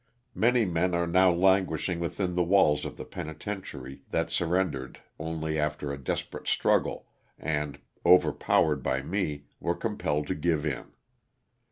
Many men are now languishing within the walls of the penitentiary that surrendered only after a desperate struggle and, overpowered by me, were compelled to give in.